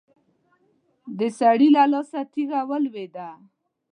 د سړي له لاسه تېږه ولوېده.